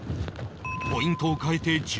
ポイントを変えて１０分